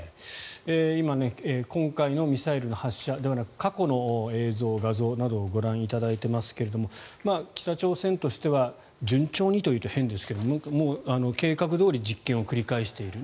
今今回のミサイルの発射ではなく過去の映像・画像などをご覧いただいていますが北朝鮮としては順調にというと変ですが計画どおり実験を繰り返している。